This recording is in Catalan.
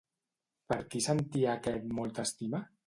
Per qui sentia aquest molta estima?